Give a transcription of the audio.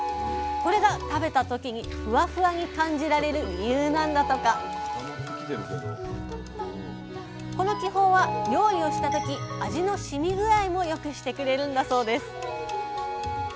これが食べた時にふわふわに感じられる理由なんだとかこの気泡は料理をした時味のしみ具合もよくしてくれるんだそうです